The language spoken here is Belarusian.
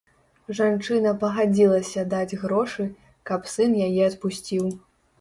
Жанчына пагадзілася даць грошы, каб сын яе адпусціў.